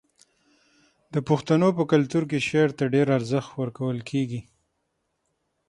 د پښتنو په کلتور کې شعر ته ډیر ارزښت ورکول کیږي.